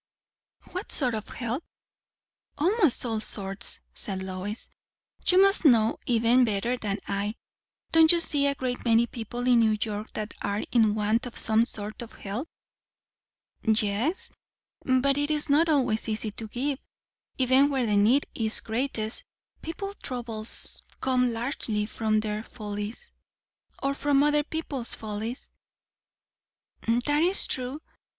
"What sort of help?" "Almost all sorts," said Lois. "You must know even better than I. Don't you see a great many people in New York that are in want of some sort of help?" "Yes; but it is not always easy to give, even where the need is greatest. People's troubles come largely from their follies." "Or from other people's follies." "That is true.